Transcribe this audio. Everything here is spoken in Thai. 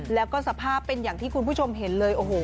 แล้วก็สภาพเป็นอย่างที่คุณผู้ชมเห็นเลยโอ้โห